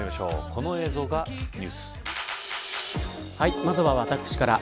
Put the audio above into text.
この映像がニューまずは私から。